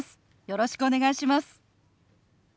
よろしくお願いします。